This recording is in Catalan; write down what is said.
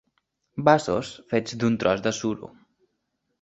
Vasos fets d'un tros de suro.